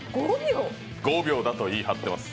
５秒だと言い張ってます。